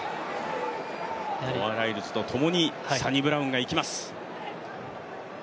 ノア・ライルズとともにサニブラウンが行きます。